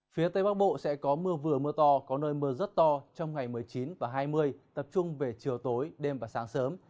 phía tây bắc bộ sẽ có mưa vừa mưa to có nơi mưa rất to trong ngày một mươi chín và hai mươi tập trung về chiều tối đêm và sáng sớm